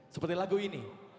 seperti lagu ini